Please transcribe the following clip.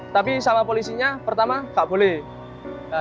tapi sama polisinya pertama nggak boleh